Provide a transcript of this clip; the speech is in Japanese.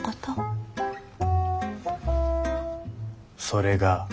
それが？